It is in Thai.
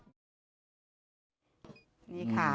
นี่ค่ะ